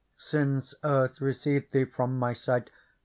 Since earth received thee from my sight.